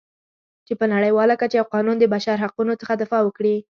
چې په نړیواله کچه یو قانون د بشرحقوقو څخه دفاع وکړي.